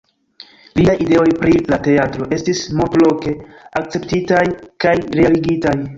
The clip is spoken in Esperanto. Liaj ideoj pri la teatro estis multloke akceptitaj kaj realigitaj.